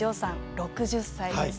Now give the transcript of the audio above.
６０歳です。